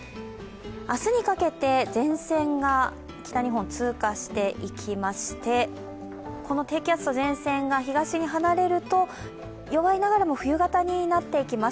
明日にかけて前線が北日本、通過していきまして、この低気圧と前線が東に離れると弱いながらも冬型になっていきます。